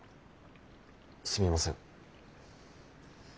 すみません。